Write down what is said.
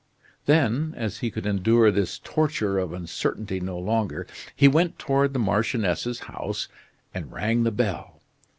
Then, as he could endure this torture of uncertainty no longer, he went toward the marchioness's house and rang the bell.